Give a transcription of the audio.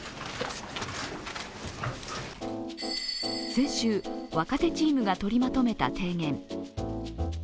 先週、若手チームが取りまとめた提言。